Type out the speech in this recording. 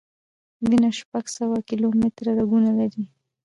وینه شپږ سوه کیلومټره رګونه لري.